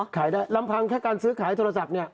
ขายได้ลำพังแค่การซื้อขายโทรศัพท์เนี่ย